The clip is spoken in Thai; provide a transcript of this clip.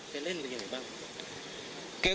ไปเล่นไปรีบกัน